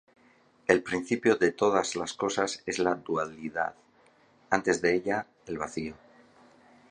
El principio de todas las cosas es la dualidad, antes de ella: el vacío.